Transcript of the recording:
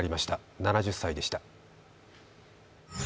７０歳でした。